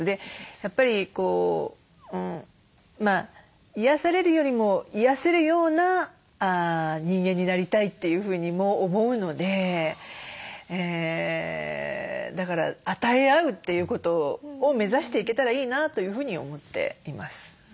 やっぱり癒やされるよりも癒やせるような人間になりたいというふうにも思うのでだから与え合うっていうことを目指していけたらいいなというふうに思っています。